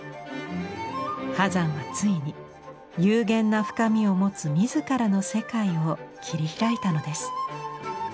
波山はついに幽玄な深みを持つ自らの世界を切り開いたのです。